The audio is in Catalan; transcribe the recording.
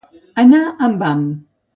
Anar amb ham.